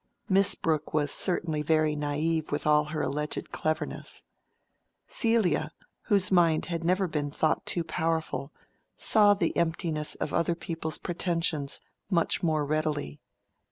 Miss Brooke was certainly very naive with all her alleged cleverness. Celia, whose mind had never been thought too powerful, saw the emptiness of other people's pretensions much more readily.